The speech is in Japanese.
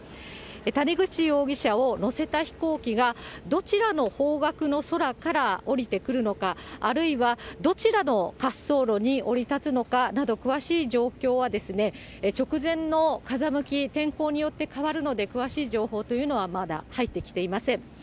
谷口容疑者を乗せた飛行機がどちらの方角の空から降りてくるのか、あるいはどちらの滑走路に降り立つのかなど、詳しい状況は、直前の風向き、天候によって変わるので、詳しい情報というのはまだ入ってきていません。